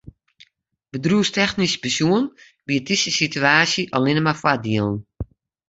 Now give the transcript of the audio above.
Bedriuwstechnysk besjoen biedt dizze situaasje allinnich mar foardielen.